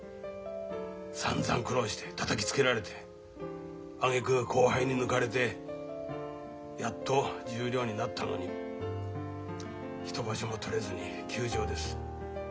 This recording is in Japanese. さんざん苦労してたたきつけられてあげく後輩に抜かれてやっと十両になったのに一場所も取れずに休場です。